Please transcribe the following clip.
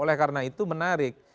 oleh karena itu menarik